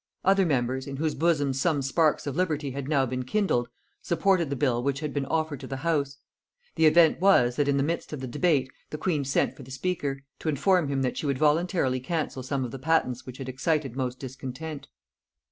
Other members, in whose bosoms some sparks of liberty had now been kindled, supported the bill which had been offered to the house: the event was, that in the midst of the debate the queen sent for the speaker, to inform him that she would voluntarily cancel some of the patents which had excited most discontent.